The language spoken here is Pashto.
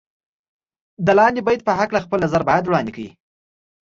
د لاندې بیت په هکله خپل نظر باید وړاندې کړئ.